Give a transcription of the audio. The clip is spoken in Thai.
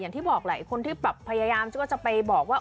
อย่างที่บอกคนที่แบบพยายามช่วยขอจะไปบอกว่า